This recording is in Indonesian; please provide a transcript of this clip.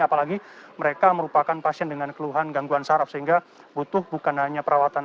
apalagi mereka merupakan pasien dengan keluhan gangguan saraf sehingga butuh bukan hanya perawatan